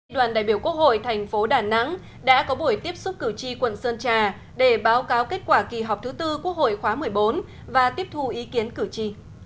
đoàn đại biểu quốc hội thành phố đà nẵng đã có buổi tiếp xúc cử tri quận sơn trà để báo cáo kết quả kỳ họp thứ tư quốc hội khóa một mươi bốn và tiếp thu ý kiến cử tri